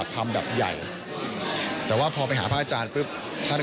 ด้วยเขาก็ดูลเข้าทางว่าว่าจะทำให้โทษมาก